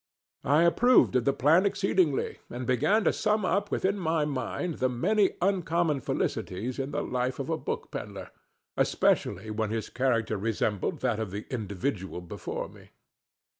I approved of the plan exceedingly, and began to sum up within my mind the many uncommon felicities in the life of a book pedler, especially when his character resembled that of the individual before me.